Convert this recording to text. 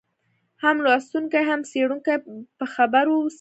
هم لوستونکی هم څېړونکی په خبر واوسي.